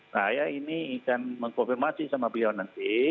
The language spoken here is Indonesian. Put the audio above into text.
saya ini akan mengkonfirmasi sama beliau nanti